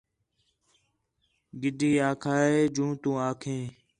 گِدڑی آکھا ہِِے جوں تُوں آکھیں